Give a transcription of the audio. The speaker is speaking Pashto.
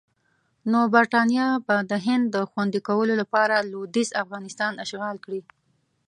نو برټانیه به د هند د خوندي کولو لپاره لویدیځ افغانستان اشغال کړي.